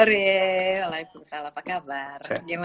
selamat sore apa kabar